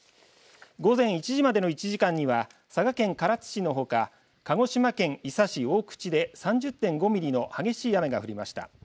午前１時までの１時間には佐賀県唐津市のほか鹿児島県伊佐市大口で３０．５ミリの激しい雨が降りました。